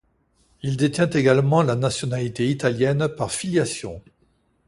Il détient également la nationalité italienne par filiation.